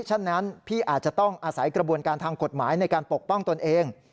เช่นนั้นพี่อาจจะต้องอาศัยกระบวนการทางกฎหมายในการปกป้องตนเอง